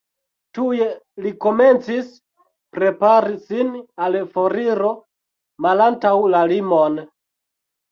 Tuj li komencis prepari sin al foriro malantaŭ la limon.